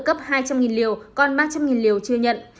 cấp hai trăm linh liều còn ba trăm linh liều chưa nhận